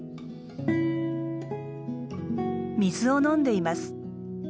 水を飲んでいます。